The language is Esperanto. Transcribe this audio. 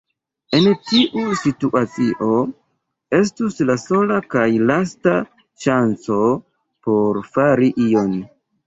En tiu situacio, estus la sola kaj lasta ŝanco por fari ion...